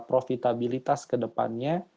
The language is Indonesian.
profitabilitas ke depannya